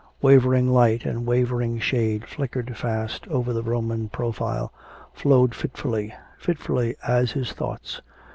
Wavering light and wavering shade flickered fast over the Roman profile, flowed fitfully fitfully as his thoughts.